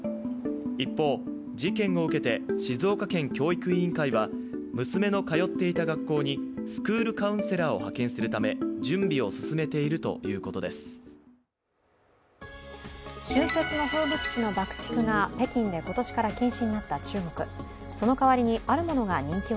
一方、事件を受けて静岡県教育委員会は娘の通っていた学校にスクールカウンセラーを派遣するため準備を進めているということです。